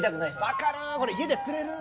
分かる！